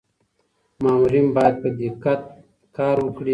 مامورین باید په دقت کار وکړي.